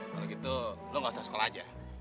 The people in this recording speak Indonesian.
kalau gitu lo gak usah sekolah aja